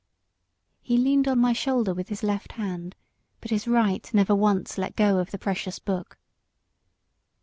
He leaned on my shoulder with his left hand, but his right never once let go of the precious book.